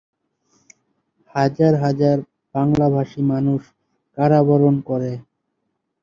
হাজার হাজার বাংলাভাষী মানুষ কারাবরণ করে।